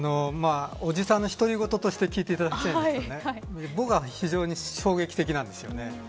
おじさんの独り言として聞いていただきたいんですが僕は非常に衝撃的なんですよね。